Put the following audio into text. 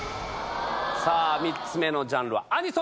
さぁ３つ目のジャンルは「アニソン」。